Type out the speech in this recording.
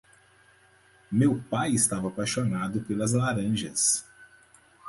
Meu pai estava apaixonado pelas laranjas.